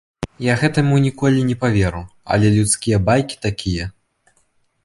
Я гэтаму ніколі не паверу, але людскія байкі такія.